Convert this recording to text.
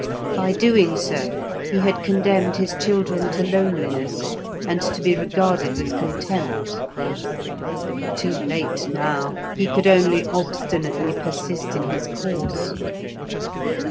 By doing so he had condemned his children to loneliness, and to be regarded with contempt. Too late now, he could only obstinately persist in his course.